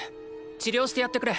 治療してやってくれ。